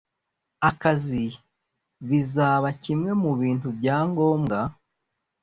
akazi bizaba kimwe mu bintu bya ngombwa